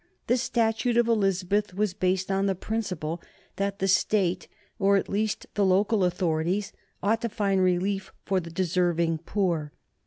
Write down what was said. The statute of Elizabeth was based on the principle that the State, or at least the local authorities, ought to find relief for all the deserving poor.